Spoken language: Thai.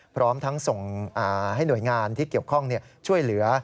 พร้อมทั้งส่งให้หน่วยงานที่เกี่ยวข้องช่วยเหลือ